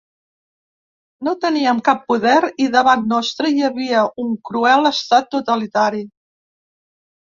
No teníem cap poder i davant nostre hi havia un cruel estat totalitari.